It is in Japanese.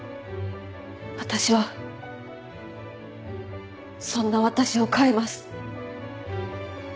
私はそんな私を変えます。